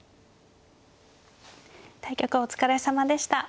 対局お疲れさまでした。